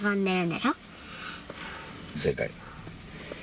正解。